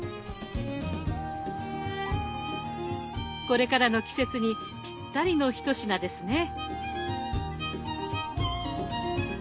これからの季節にぴったりの一品ですね。